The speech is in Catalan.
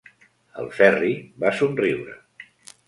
El Ferri va somriure.